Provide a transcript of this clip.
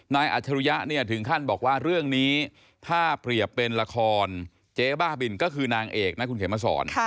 อัจฉริยะเนี่ยถึงขั้นบอกว่าเรื่องนี้ถ้าเปรียบเป็นละครเจ๊บ้าบินก็คือนางเอกนะคุณเขียนมาสอน